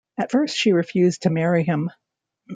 At first she refused to marry him.